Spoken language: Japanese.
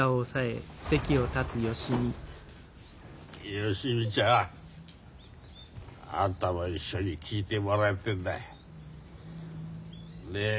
芳美ちゃん。あんたも一緒に聞いてもらいてえんだ。ねえ？